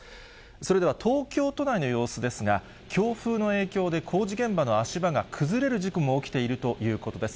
それでは、東京都内の様子ですが、強風の影響で工事現場の足場が崩れる事故も起きているということです。